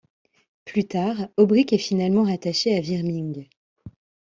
Plus tard, Obrick est finalement rattaché à Virming.